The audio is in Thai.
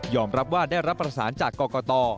รับว่าได้รับประสานจากกรกต